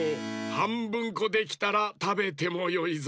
はんぶんこできたらたべてもよいぞ。